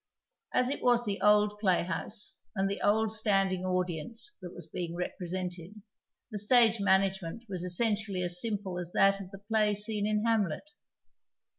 As it was the old playhouse and the old standing audience that was being represented, the stage nianagenient was essentially as simple as that of the play scene in IlavUet.